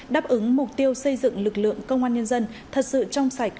đáp ứng mục tiêu xây dựng lực lượng công an nhân dân thật sự trong sạch